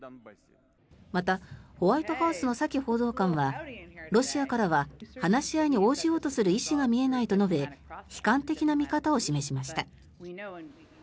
また、ホワイトハウスのサキ報道官はロシアからは話し合いに応じようとする意思が見えないと述べ悲観的な見方を示しました。